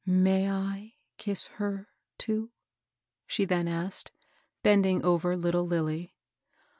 May I kiss her^ too ?" she then asked, bending over little Lilly.